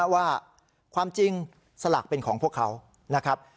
ว่าความจริงสลากเป็นของพวกเขานะครับ